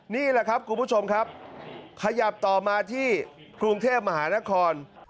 นี่แหละครับคุณผู้ชมครับขยับต่อมาที่กรุงเทพมหานคร